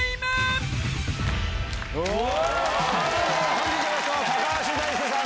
本日のゲスト高橋大輔さん